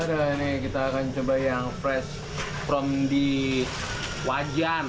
ini kita akan coba yang fresh from di wajan